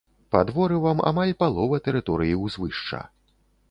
Пад ворывам амаль палова тэрыторыі ўзвышша.